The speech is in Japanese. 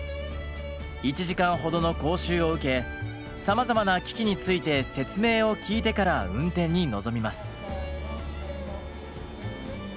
１時間ほどの講習を受けさまざまな機器について説明を聞いてから運転に臨みます。